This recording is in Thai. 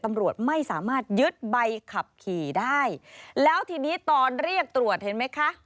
ตำรวจไม่สามารถยึดใบขับขี่ได้แล้วทีนี้ตอนเรียกตรวจเห็นไหมคะ